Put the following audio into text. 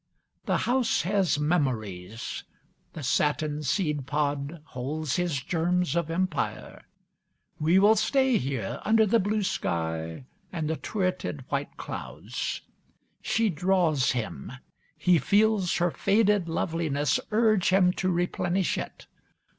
The house has memories. The satin seed pod holds his germs of Empire. We will stay here, under the blue sky and the turreted white clouds. She draws him; he feels her faded loveliness urge him to replenish it.